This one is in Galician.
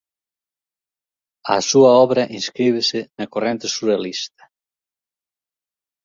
A súa obra inscríbese na corrente surrealista.